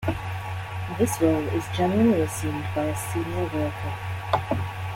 This role is generally assumed by a senior worker.